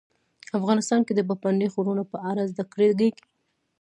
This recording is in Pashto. افغانستان کې د پابندي غرونو په اړه زده کړه کېږي.